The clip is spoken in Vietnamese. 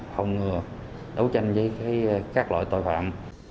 không đấu tranh với các loại tội phạm